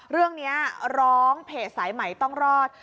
เรื่องนี้ร้องเพจสายใหม่ต้องรอด